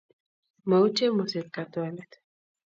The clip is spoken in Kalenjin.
Mautye moset katwalet.